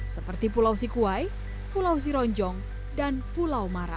seperti pulau sikuai pulau sironjong dan pulau mara